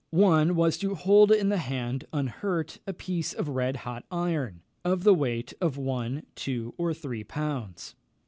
One was to hold in the hand, unhurt, a piece of red hot iron, of the weight of one, two, or three pounds.